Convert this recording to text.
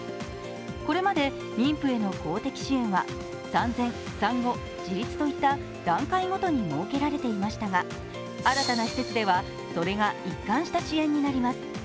これまで妊婦への公的支援は産前、産後、自立といった段階ごとに設けられていましたが新たな施設ではそれが一貫した支援になります。